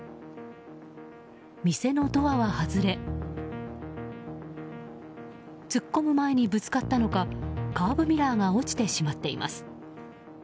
店のドアは外れ突っ込む前にぶつかったのかカーブミラーが落ちてしまっています。